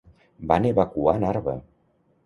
Van evacuar Narva.